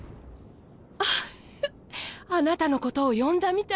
フフッあなたのことを呼んだみたい。